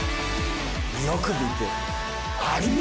よく見て。